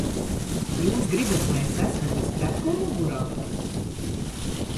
Jūs gribat, lai esmu bez krekla mugurā?